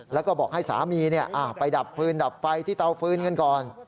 แล้วก็บอกให้สามีไปดับฟืนดับไฟที่เตาฟืนกันก่อน